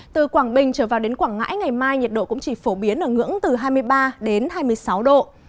từ quảng bình trở vào đến quảng ngãi ngày mai nhiệt độ cũng chỉ phổ biến ở ngưỡng từ hai mươi ba đến hai mươi sáu độ